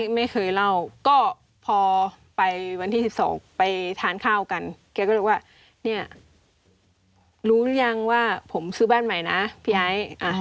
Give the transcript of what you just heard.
ไม่เคยเล่าก็พอไปวันที่๑๒ไปทานข้าวกันแกก็เลยว่าเนี่ยรู้หรือยังว่าผมซื้อบ้านใหม่นะพี่ไอ้